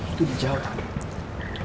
itu di jawa